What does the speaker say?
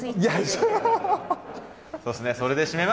そうですね。